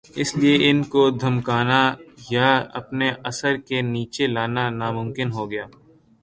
اسی لئے ان کو دھمکانا یا اپنے اثر کے نیچے لانا ناممکن ہو گیا۔